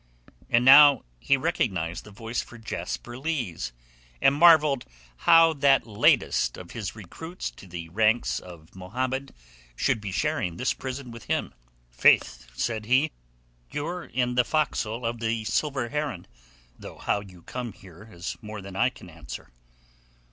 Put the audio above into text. And now he recognized the voice for Jasper Leigh's, and marvelled how that latest of his recruits to the ranks of Mohammed should be sharing this prison with him. "Faith," said he, "you're in the forecastle of the Silver Heron; though how you come here is more than I can answer."